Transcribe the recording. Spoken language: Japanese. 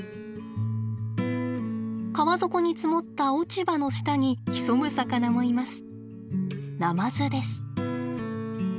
川底に積もった落ち葉の下に潜む魚もいます。